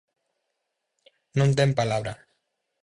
Non ten palabra.